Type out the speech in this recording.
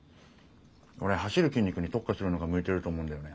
オレ走る筋肉に特化するのが向いてると思うんだよね。